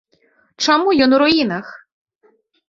Чаму ён у руінах?